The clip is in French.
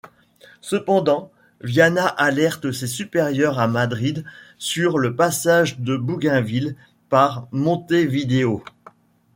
Cependant, Viana alerte ses supérieurs à Madrid sur le passage de Bougainville par Montevideo.